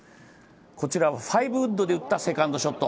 こちらは５ウッドで打ったセカンドショット。